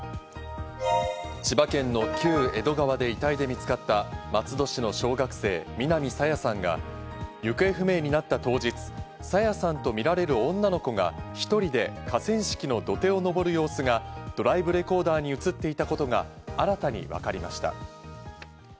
千葉県の旧江戸川で遺体で見つかった松戸市の小学生、南朝芽さんが行方不明になった当日、朝芽さんとみられる女の子が１人で河川敷の土手を上る様子がドライブレコーダーに映っていたことが新たに分かりました。